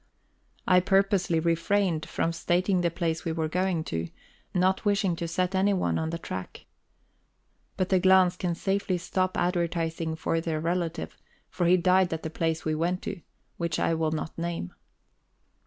I purposely refrained from stating the place we were going to, not wishing to set anyone on the track. But the Glahns can safely stop advertising for their relative; for he died at the place we went to, which I will not name.